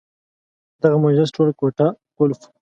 دغه محبس ټول کوټه قلف وو.